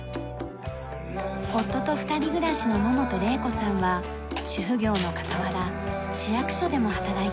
夫と二人暮らしの野本礼子さんは主婦業の傍ら市役所でも働いています。